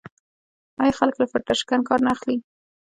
آیا خلک له فیلټر شکن کار نه اخلي؟